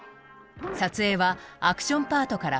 撮影はアクションパートから始められた。